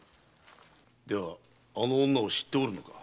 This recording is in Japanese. ではあの女を知っておるのか？